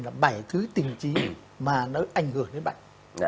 là bảy thứ tình trí mà nó ảnh hưởng đến bạn